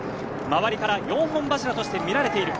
周りから４本柱として見られている。